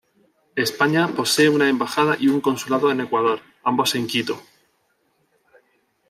España posee una embajada y un consulado en Ecuador, ambos en Quito.